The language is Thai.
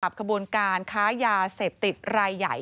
ดีครับขบวนการขายาเสพติดไร่ใหญ่